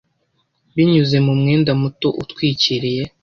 Binyuze mu mwenda muto utwikiriye